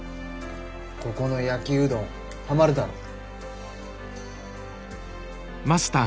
ここの焼きうどんはまるだろ？